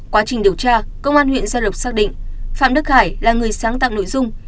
quá trình điều tra công an huyện gia lộc xác định phạm đức hải là người sáng tạo nội dung